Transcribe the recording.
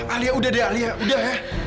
alia udah deh alia udah ya